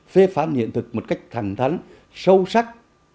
phê phán hiện thực một cách thẳng thắn sâu sắc